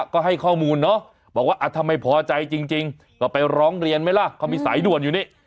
ก็ให้ข้อมูลเนาะบอกว่าถ้าไม่พอใจจริงก็ไปร้องเรียนไหมล่ะเขามีสายด่วนอยู่นี่